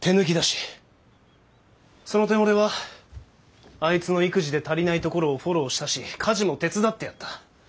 その点俺はあいつの育児で足りないところをフォローしたし家事も手伝ってやった。